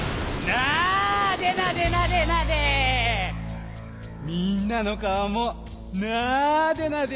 なでなでなでなで。